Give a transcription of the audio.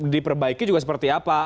diperbaiki juga seperti apa